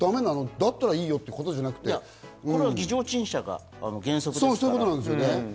だったらいいよということではな議場陳謝が原則ですからね。